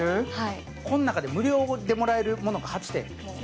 この中で無料でもらえるものが８点？